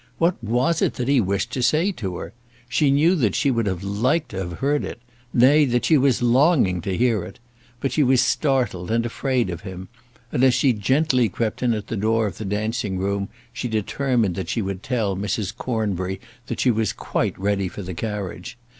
What was it that he wished to say to her? She knew that she would have liked to have heard it; nay, that she was longing to hear it. But she was startled and afraid of him, and as she gently crept in at the door of the dancing room, she determined that she would tell Mrs. Cornbury that she was quite ready for the carriage.